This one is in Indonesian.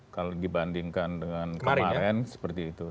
kalau dibandingkan dengan kemarin seperti itu